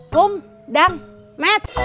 tum dang met